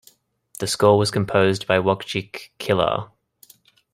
The score was composed by Wojciech Kilar.